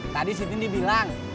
tadi si tini bilang